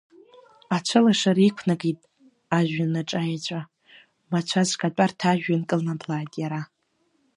Ацәылашара иқәнакит ажәҩанаҿаеҵәа, мацәазк атәарҭа ажәҩан кылнаблааит иара.